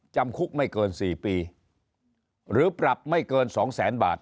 จำคุกไม่เกิน๔ปีหรือปรับไม่เกินสองแสนบาท